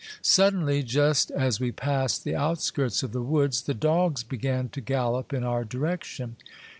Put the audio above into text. Suddenly, just as we passed the outskirts of the woods, the dogs began to gallop in our direction.